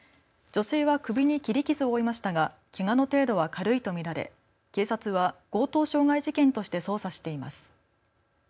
女性は首に切り傷を負いましたがけがの程度は軽いと見られ警察は強盗傷害事件として捜査しています。